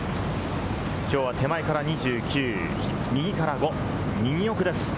きょうは手前から２９、右から５、右奥です。